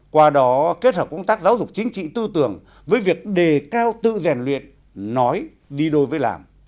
qua đó kết hợp công tác giáo dục chính trị tư tưởng với việc đề cao tự rèn luyện nói đi đôi với làm